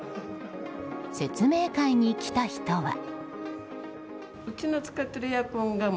説明会に来た人は。